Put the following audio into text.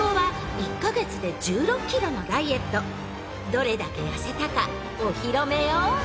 ［どれだけ痩せたかお披露目よ］